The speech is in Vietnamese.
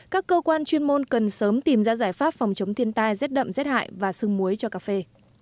các cơ quan chuyên môn cần sớm tìm ra giải pháp phòng chống thiên tai rét đậm rét hại và sương muối cho cà phê